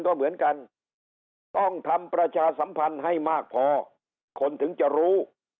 ก็เหมือนกันต้องทำประชาสัมพันธ์ให้มากพอคนถึงจะรู้